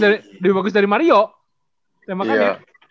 lebih bagus dari mario tembakannya